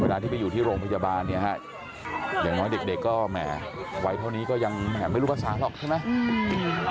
ที่ไปอยู่ที่โรงพยาบาลเนี่ยฮะอย่างน้อยเด็กก็แหมวัยเท่านี้ก็ยังแหมไม่รู้ภาษาหรอกใช่ไหม